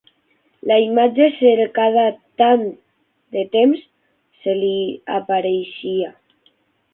La imatge cercada tant de temps se li apareixia